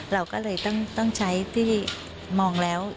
เราก็เลยต้องใช้ที่มองแล้ว